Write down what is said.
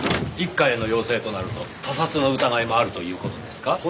一課への要請となると他殺の疑いもあるという事ですか？